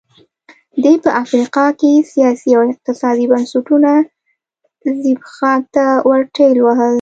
دې په افریقا کې سیاسي او اقتصادي بنسټونه زبېښاک ته ورټېل وهل.